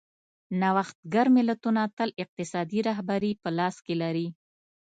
نوښتګر ملتونه تل اقتصادي رهبري په لاس کې لري.